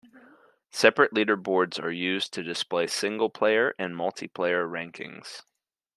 Separate leaderboards are used to display single player and multiplayer rankings.